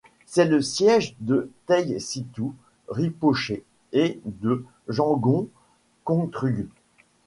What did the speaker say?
C'est le siège de Taï Sitou Rinpoché et de Jamgon Kongtrul.